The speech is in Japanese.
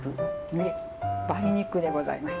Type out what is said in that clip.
いえ梅肉でございます。